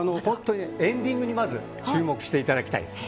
エンディングに注目していただきたいです。